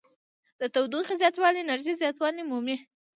د تودوخې زیاتوالی انرژي زیاتوالی مومي.